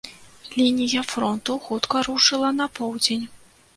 Лінія фронту хутка рушыла на поўдзень.